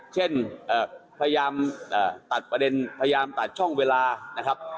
เช่นพยายามตัดประเด็นพยายามตัดช่องเวลานะครับ